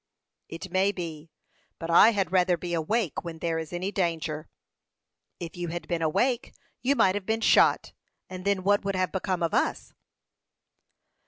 "It may be; but I had rather be awake when there is any danger." "If you had been awake, you might have been shot; and then what would have become of us?"